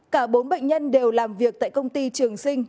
cả bốn bệnh nhân đều làm việc tại công ty trường sinh